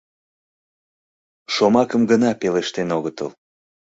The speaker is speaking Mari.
Шомакым гына пелештен огытыл.